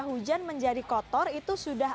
hujan menjadi kotor itu sudah